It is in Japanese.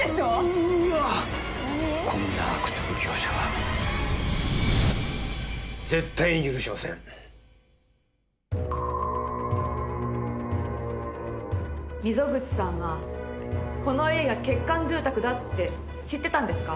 うーわっこんな悪徳業者は絶対に許しません溝口さんはこの家が欠陥住宅だって知ってたんですか？